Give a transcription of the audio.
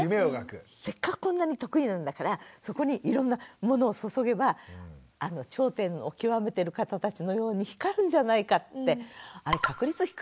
せっかくこんなに得意なんだからそこにいろんなものを注げばあの頂点を極めてる方たちのように光るんじゃないかってあれまじね